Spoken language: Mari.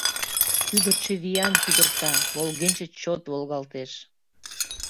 Кӱдырчӧ виян кӱдырта, волгенче чот волгалтеш.